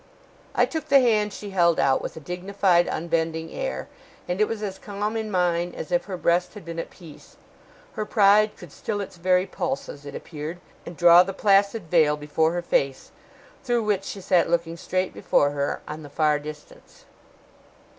I took the hand she held out with a dignified, unbending air, and it was as calm in mine as if her breast had been at peace. Her pride could still its very pulses, it appeared, and draw the placid veil before her face, through which she sat looking straight before her on the far distance.